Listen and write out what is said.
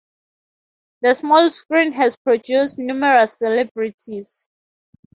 The small screen has produced numerous celebrities.